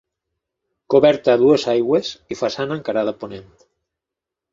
Coberta a dues aigües i façana encarada a ponent.